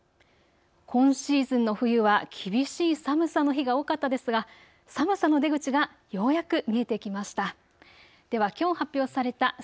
今シーズンの冬は厳しい寒さの日が多かったですが寒さの出口がようやく見えてきました。